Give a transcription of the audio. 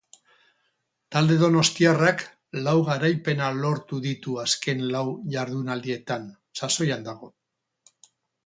Talde donostiarrak lau garaipena lortu ditu azken lau jardunaldietan, sasoian dago.